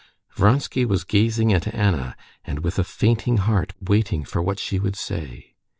Vronsky was gazing at Anna, and with a fainting heart waiting for what she would say.